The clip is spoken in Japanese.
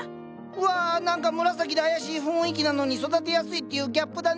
うわ何か紫で妖しい雰囲気なのに育てやすいっていうギャップだね。